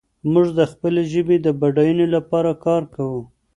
موږ د خپلې ژبې د بډاینې لپاره کار کوو.